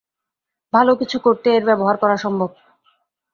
ভাল কিছু করতে এর ব্যবহার করা সম্ভব।